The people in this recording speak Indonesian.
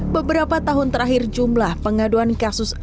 beberapa tahun terakhir jumlah pengaduan kasus